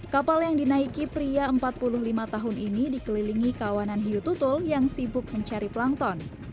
kapal yang dinaiki pria empat puluh lima tahun ini dikelilingi kawanan hiu tutul yang sibuk mencari plankton